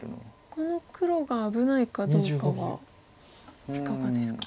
この黒が危ないかどうかがいかがですか？